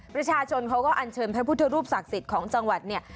ประชาชนเขาก็อันเชิญพระพุทธรูปศักดิ์สิทธิ์ของจังหวัดเนี่ย